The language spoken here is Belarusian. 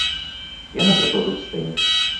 Я, напрыклад, тут стаю.